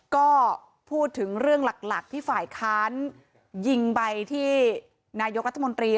ก็พูดถึงเรื่องหลักที่ฝ่ายค้านยิงไปที่นายกรัฐมนตรี